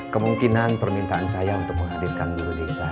kemungkinan permintaan saya untuk menghadirkan guru desa